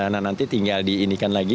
nah nanti tinggal diindikan lagi